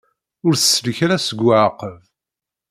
Ur tsellek ara seg uɛaqeb.